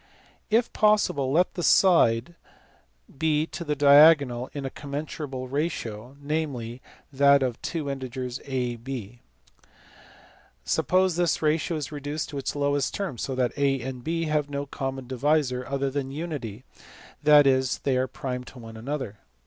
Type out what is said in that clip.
If possible let the side be to the diagonal in a commensurable ratio, namely, that of the two integers a and b. Suppose this ratio reduced to its lowest terms so that a and b have no common divisor other than unity, that is, they are prime to one another.